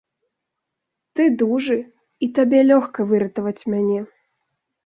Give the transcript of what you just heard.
Ты дужы і табе лёгка выратаваць мяне.